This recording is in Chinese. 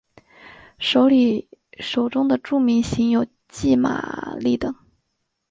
首里手中的著名型有骑马立等。